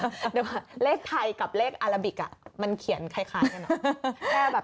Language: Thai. เดี๋ยวเลขไทยกับเลขอาราบิกมันเขียนคล้ายกันเหรอ